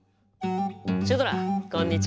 シュドラこんにちは！